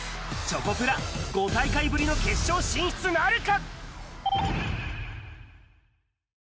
チョコプラ、５大会ぶりの決勝進出なるか？